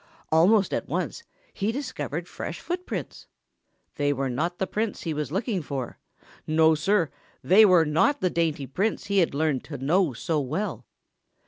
Almost at once he discovered fresh footprints. They were not the prints he was looking for. No, Sir, they were not the dainty prints he had learned to know so well.